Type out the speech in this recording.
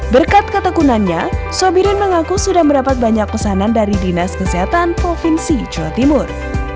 berkat ketekunannya sobirin mengaku sudah mendapat banyak pesanan dari dinas kesehatan provinsi jawa timur